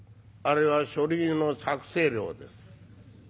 「あれは書類の作成料です」。